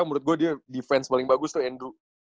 menurut gue dia defense paling bagus tuh andrew